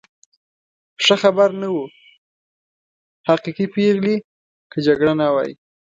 ښه خبر نه و، حقیقي پېغلې، که جګړه نه وای.